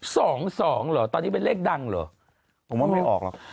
สองสองเหรอตอนนี้เป็นเลขดังเหรอผมว่าไม่ออกหรอก